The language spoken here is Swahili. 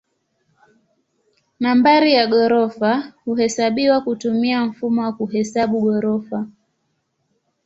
Nambari ya ghorofa huhesabiwa kutumia mfumo wa kuhesabu ghorofa.